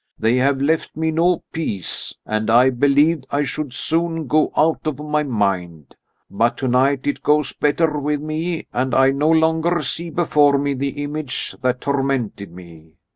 They have left me no peace, and I believed I should soon go out of my mind. But tonight it goes better with me and I no longer see before me the image that tormented me.